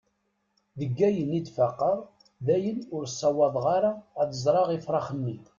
Deg ayen i d-faqeɣ, dayen ur ssawḍeɣ ara ad ẓreɣ ifrax-nni.